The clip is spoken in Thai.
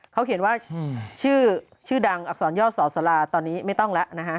เขาเขียนว่าชื่อดังอักษรย่อสอสลาตอนนี้ไม่ต้องแล้วนะฮะ